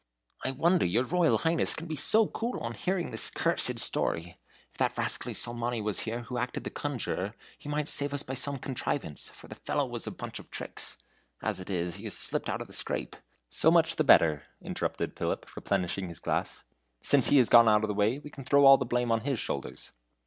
"I wonder your Royal Highness can be so cool on hearing this cursed story. If that rascally Salmoni was here who acted the conjurer, he might save us by some contrivance, for the fellow was a bunch of tricks. As it is, he has slipped out of the scrape." "So much the better," interrupted Philip, replenishing his glass; "since he has got out of the way, we can throw all the blame on his shoulders."